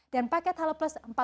dan paket halo plus rp empat ratus